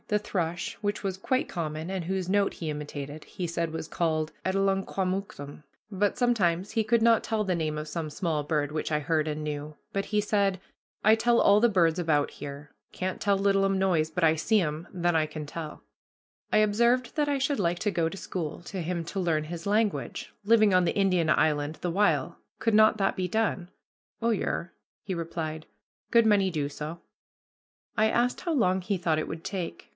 The thrush, which was quite common, and whose note he imitated, he said was called Adelungquamooktum; but sometimes he could not tell the name of some small bird which I heard and knew, but he said, "I tell all the birds about here; can't tell littlum noise, but I see 'em, then I can tell." I observed that I should like to go to school to him to learn his language, living on the Indian island the while; could not that be done? "Oh, yer," he replied, "good many do so." I asked how long he thought it would take.